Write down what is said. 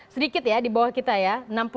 sedikit ya di bawah kita ya